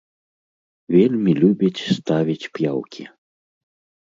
Вельмі любіць ставіць п'яўкі.